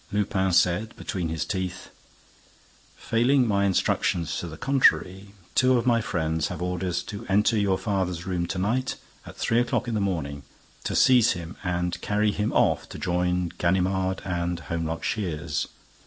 Lupin said, between his teeth: "Failing my instructions to the contrary, two of my friends have orders to enter your father's room to night, at three o'clock in the morning, to seize him and carry him off to join Ganimard and Holmlock Shears."